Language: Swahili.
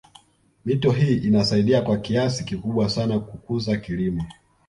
Mito hii inasaidia kwa kiasi kikubwa sana kukuza kilimo